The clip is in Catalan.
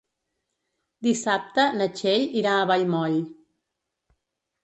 Dissabte na Txell irà a Vallmoll.